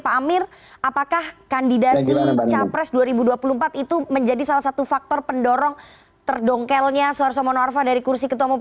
pak amir apakah kandidasi capres dua ribu dua puluh empat itu menjadi salah satu faktor pendorong terdongkelnya suarso monorfa dari kursi ketua mop tiga